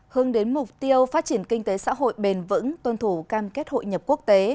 hướng đến mục tiêu phát triển kinh tế xã hội bền vững tuân thủ cam kết hội nhập quốc tế